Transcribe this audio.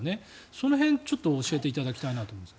その辺、ちょっと教えていただきたいなと。